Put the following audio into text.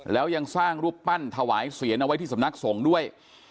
แล้วยังสร้างรูปปั้นถวายเสียงเอาไว้ที่สำนักสงฆ์ด้วย